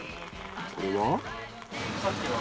これは？